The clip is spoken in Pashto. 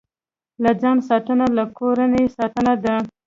له ځان ساتنه، له کورنۍ ساتنه ده.